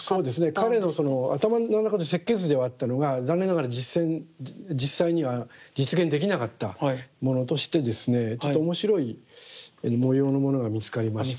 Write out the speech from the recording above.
彼の頭の中で設計図ではあったのが残念ながら実際には実現できなかったものとしてですねちょっと面白い模様のものが見つかりました。